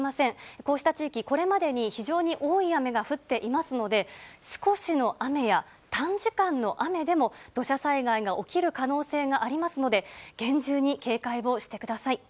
こうした地域、これまでに非常に多い雨が降っていますので、少しの雨や短時間の雨でも、土砂災害が起きる可能性がありますので、厳重に警戒をしてください。